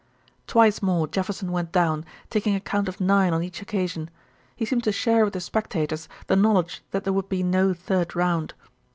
Twice more Jefferson went down, taking a count of nine on each occasion. He seemed to share with the spectators the knowledge that there would be no third round.